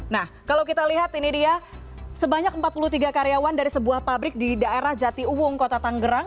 nah kalau kita lihat ini dia sebanyak empat puluh tiga karyawan dari sebuah pabrik di daerah jati uwung kota tanggerang